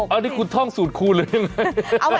อันนี้คุณท่องสูตรคูณหรือยังไง